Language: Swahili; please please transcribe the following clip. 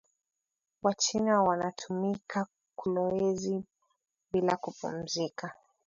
Wa china wanatumika kolwezi bila kupumuzika